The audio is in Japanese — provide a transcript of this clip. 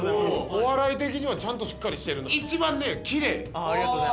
お笑い的にはちゃんとしっかりしてる。